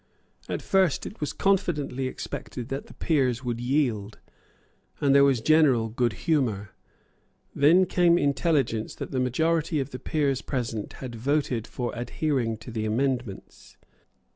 At first it was confidently expected that the Peers would yield; and there was general good humour. Then came intelligence that the majority of the Lords present had voted for adhering to the amendments.